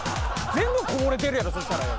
全部こぼれてるやろそしたらよ。